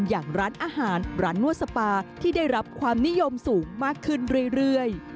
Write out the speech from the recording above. อย่างร้านอาหารร้านนวดสปาที่ได้รับความนิยมสูงมากขึ้นเรื่อย